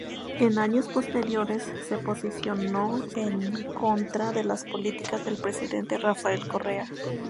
En años posteriores se posicionó en contra de las políticas del presidente Rafael Correa.